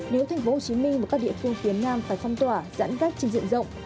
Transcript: nếu tp hcm và các địa phương phía nam phải phong tỏa giãn cách trên diện rộng